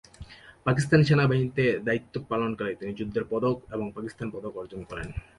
পাকিস্তান সেনাবাহিনীতে দায়িত্ব পালনকালে তিনি যুদ্ধের পদক এবং পাকিস্তান পদক অর্জন করেন।